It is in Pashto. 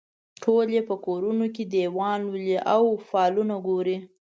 ټول یې په کورونو کې دیوان لولي او فالونه ګوري.